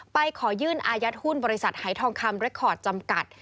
ขอยื่นอายัดหุ้นบริษัทหายทองคำเรคคอร์ดจำกัด